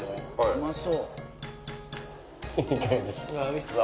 「うまそう！」